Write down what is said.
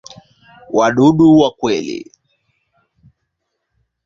Wadudu wa kweli.